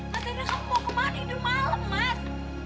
mas hendra kamu mau kemana ini malam mas